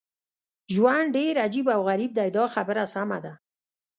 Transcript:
ژوند ډېر عجیب او غریب دی دا خبره سمه ده.